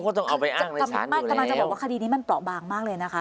กำลังจะบอกว่าคดีนี้มันเปราะบางมากเลยนะคะ